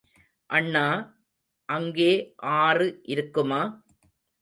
அண்ணா, அங்கே ஆறு இருக்குமா?